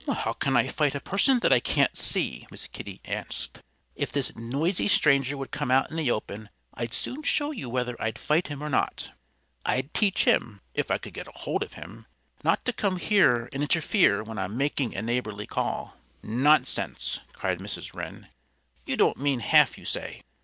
"How can I fight a person that I can't see?" Miss Kitty asked. "If this noisy stranger would come out in the open I'd soon show you whether I'd fight him or not. I'd teach him if I could get hold of him not to come here and interfere when I'm making a neighborly call." "Nonsense!" cried Mrs. Wren. "You don't mean half you say.